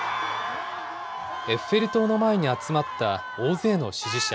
エッフェル塔の前に集まった大勢の支持者。